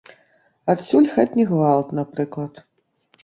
Адсюль хатні гвалт, напрыклад.